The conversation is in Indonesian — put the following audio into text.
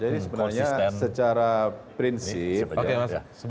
jadi sebenarnya secara prinsip